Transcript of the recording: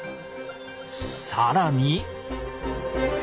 更に。